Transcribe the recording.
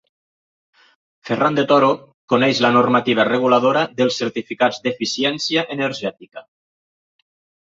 Ferran de Toro coneix la normativa reguladora dels certificats d'eficiència energètica.